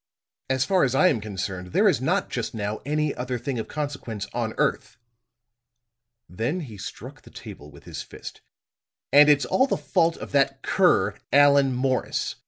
As far as I am concerned, there is not, just now, any other thing of consequence on earth." Then he struck the table with his fist. "And it's all the fault of that cur Allan Morris!